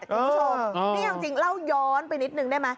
คุณผู้ชมนี่เอาจริงเล่าย้อนไปนิดนึงได้ไหม